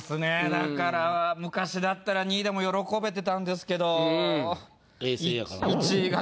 だから昔だったら２位でも喜べてたんですけど。